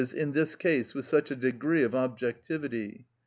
_, in this case with such a degree of objectivity.